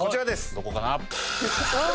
どこかな？